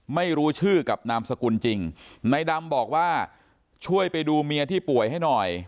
ไม่รู้ชื่อกับนามสกุลจริงในดำบอกว่าช่วยไปดูเมียที่ป่วยให้หน่อย